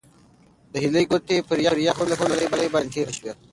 د هیلې ګوتې پر یخ وهلو کالیو باندې تېرې شوې.